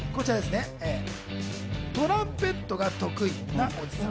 トランペットが得意なおじさん。